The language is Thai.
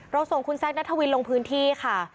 เราส่งคุณแซกแนธาวินลงพื้นที่ค่ะ